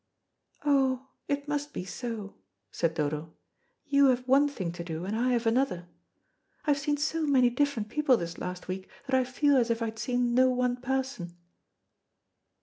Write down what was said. "Oh, it must be so," said Dodo; "you have one thing to do, and I have another. I've seen so many different people this last week, that I feel as if I had seen no one person."